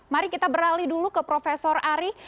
mari kita beralih dulu ke prof ari